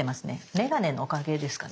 眼鏡のおかげですかね。